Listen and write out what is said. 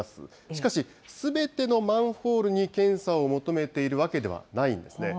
しかし、すべてのマンホールに検査を求めているわけではないんですね。